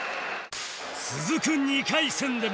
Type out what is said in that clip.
続く２回戦でも